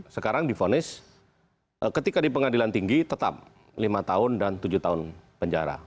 sekarang difonis ketika di pengadilan tinggi tetap lima tahun dan tujuh tahun penjara